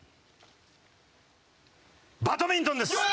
バドミントンです。